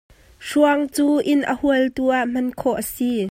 Hruang cu inn a hualtu ah hman khawh a si ve.